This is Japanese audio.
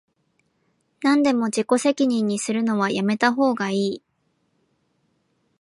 なんでも自己責任にするのはやめたほうがいい